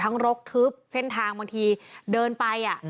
รกทึบเส้นทางบางทีเดินไป